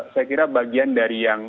saya kira bagian dari yang